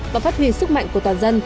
và phát huyền sức mạnh của toàn dân